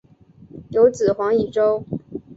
有子黄以周。